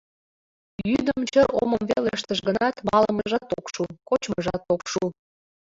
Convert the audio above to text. Йӱдым чыр омым веле ыштыш гынат, малымыжат ок шу, кочмыжат ок шу.